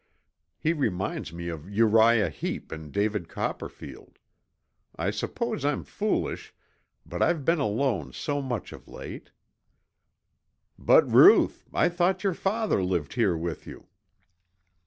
He reminds me of Uriah Heep in David Copperfield. I suppose I'm foolish, but I've been alone so much of late." "But, Ruth, I thought your father lived here with you?"